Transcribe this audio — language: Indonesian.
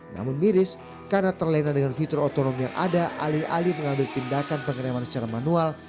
namun miris karena terlena dengan fitur otonom yang ada alih alih mengambil tindakan pengereman secara manual